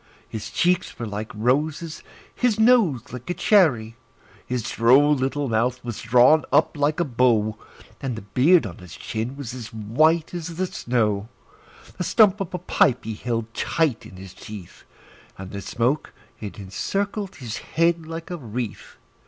His cheeks were like roses, his nose like a cherry; His droll little mouth was drawn up like a bow, And the beard on his chin was as white as the snow; The stump of a pipe he held tight in his teeth, And the smoke, it encircled his head like a wreath.